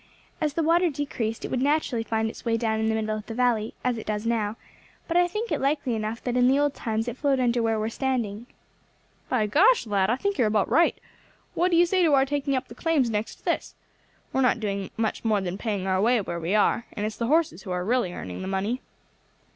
As the water decreased it would naturally find its way down the middle of the valley, as it does now; but I think it likely enough that in the old times it flowed under where we are standing." "By gosh, lad, I think you are about right. What do you say to our taking up the claims next to this? We are not doing much more than paying our way where we are, and it's the horses who are really earning the money."